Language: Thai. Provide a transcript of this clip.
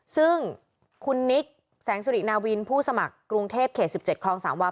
ซึ่งคุณนิกแสงสุรินาวินผู้สมัครกรุงเทพเขต๑๗คลอง๓วัน